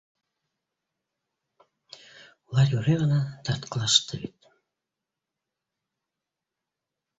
- Улар юрый ғына тартҡылашты бит.